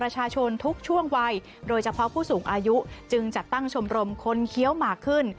จึงจัดตั้งชมรมคนเคี้ยวหมากขึ้น